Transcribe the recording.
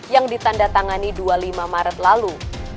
yang ditanda tangani dua puluh lima maret lalu